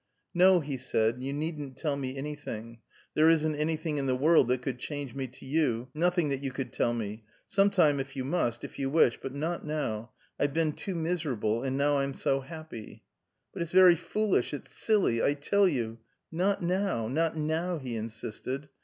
"No," he said. "You needn't tell me anything. There isn't anything in the world that could change me to you nothing that you could tell me! Sometime, if you must if you wish; but not now. I've been too miserable, and now I'm so happy." "But it's very foolish, it's silly! I tell you " "Not now, not now!" He insisted.